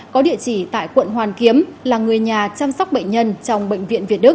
có địa chỉ tại quận hoàn kiếm là người nhà chăm sóc bệnh nhân trong bệnh viện việt đức